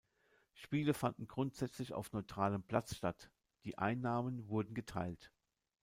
Spiele fanden grundsätzlich auf neutralem Platz statt; die Einnahmen wurden geteilt.